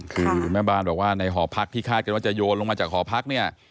คือแม่บานบอกว่าในหอพักที่คาดกันว่าจะโยนลงมาจากหอพักเนี่ย